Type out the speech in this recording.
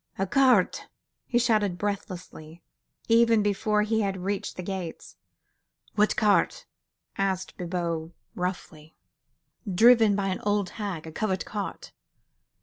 "A cart, ..." he shouted breathlessly, even before he had reached the gates. "What cart?" asked Bibot, roughly. "Driven by an old hag. ... A covered cart .